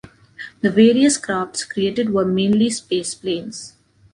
The various crafts created were mainly spaceplanes.